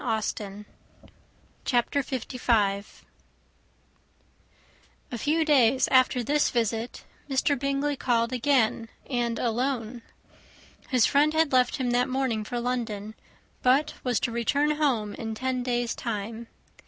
] CHAPTER LV. A few days after this visit, Mr. Bingley called again, and alone. His friend had left him that morning for London, but was to return home in ten days' time.